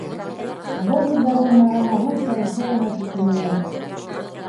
Был һүҙҙәрҙең мәғәнәһен Шәрифә генә төшөнә ине.